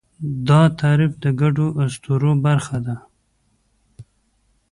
دا تعریف د ګډو اسطورو برخه ده.